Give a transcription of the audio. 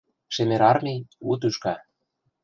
Шемер армий — у тӱшка